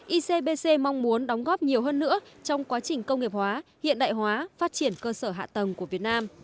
icbc mong muốn đóng góp nhiều hơn nữa trong quá trình công nghiệp hóa hiện đại hóa phát triển cơ sở hạ tầng của việt nam